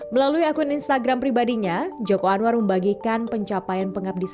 melalui akun instagram pribadinya joko anwar membagikan pencapaian pengabdi